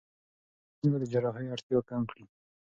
واکسین به د جراحي اړتیا کم کړي.